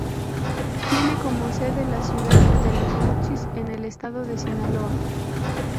Tiene como sede la ciudad de Los Mochis, en el estado de Sinaloa.